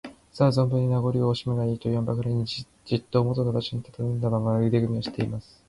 「さあ、ぞんぶんに名ごりをおしむがいい」といわぬばかりに、じっともとの場所にたたずんだまま、腕組みをしています。